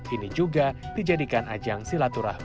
ini juga dijadikan ajaran